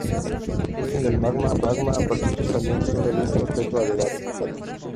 El origen del magma a partir de puntos calientes todavía está sujeto a debate.